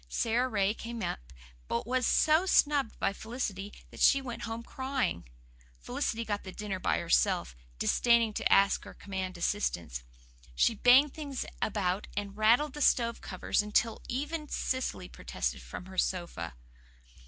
Sara Ray came up, but was so snubbed by Felicity that she went home, crying. Felicity got the dinner by herself, disdaining to ask or command assistance. She banged things about and rattled the stove covers until even Cecily protested from her sofa.